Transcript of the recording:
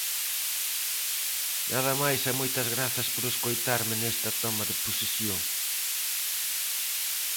Nada máis e moitas grazas por escoitarme nesta toma de posesión.